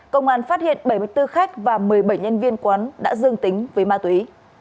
công an phát hiện bảy mươi bốn khách và một mươi bảy nhân viên quán đã dương tính với ma túy